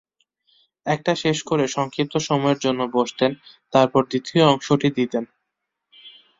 একটা শেষ করে সংক্ষিপ্ত সময়ের জন্য বসতেন, তারপর দ্বিতীয় অংশটি দিতেন।